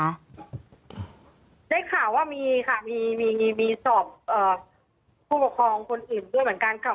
ได้ข่าวว่ามีค่ะมีมีสอบผู้ปกครองคนอื่นด้วยเหมือนกันค่ะ